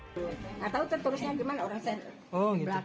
tidak tahu tertulisnya bagaimana orang di belakang